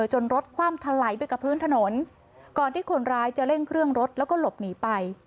จนรถคว่ำทะไหลไปกับพื้นถนนก่อนที่คนร้ายจะเร่งเครื่องรถแล้วก็หลบหนีไป